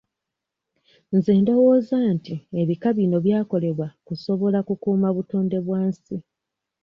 Nze ndowooza nti ebika bino byakolebwa kusobola kukuuma butonde bwa nsi.